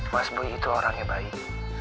mas bui itu orangnya baik